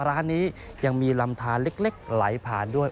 ร้านนี้ยังมีลำทานเล็กไหลผ่านด้วย